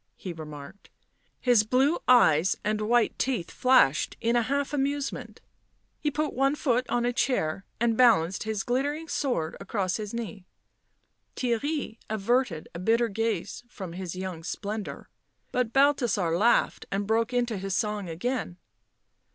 he remarked; his blue eyes and white teeth flashed in a half amusement ; he put one foot on a chair and balanced his glittering sword across his knee ; Theirry averted a bitter gaze from his young splendour, but Balthasar laughed and broke into his song again.